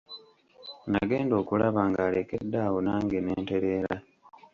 Nagenda okulaba ng'alekedde awo nange ne ntereera.